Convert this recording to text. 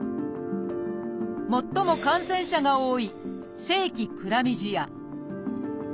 最も感染者が多い「性器クラミジア」。